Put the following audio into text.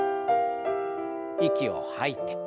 息を吐いて。